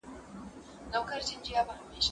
زه پرون درسونه ولوستل!!